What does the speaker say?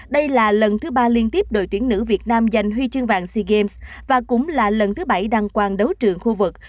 đây là lần thứ ba liên tiếp đội tuyển nữ việt nam giành huy chương vàng sea games và cũng là lần thứ bảy đăng quang đấu trường khu vực